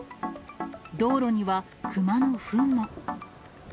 道路にはクマのふんも。